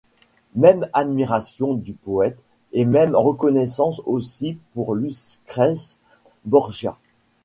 Même admiration du poète et même reconnaissance aussi, pour Lucrèce Borgia.